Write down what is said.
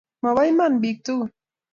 Mo bo iman biik tugul